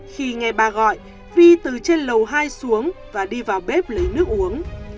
khi nghe bà gọi vi từ trên lầu hai xuống và đi vào bếp lấy nước uống